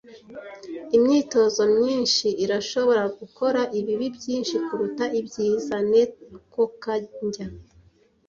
Imyitozo myinshi irashobora gukora ibibi byinshi kuruta ibyiza. (NekoKanjya)